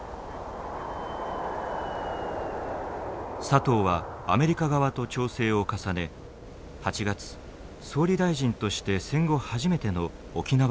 佐藤はアメリカ側と調整を重ね８月総理大臣として戦後初めての沖縄訪問を実現させました。